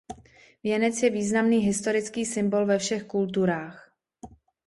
Věnec je významný historický symbol ve všech kulturách.